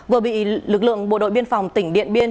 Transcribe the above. vừa bị lực lượng bộ đội biên phòng tỉnh điện biên